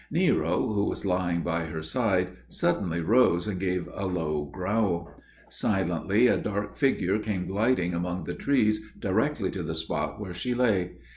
Nero, who was lying by her side, suddenly rose and gave a low growl. Silently a dark figure came gliding among the trees directly to the spot where she lay.